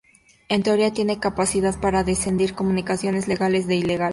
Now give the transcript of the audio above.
En teoría tiene capacidad para discernir comunicaciones legales de ilegales.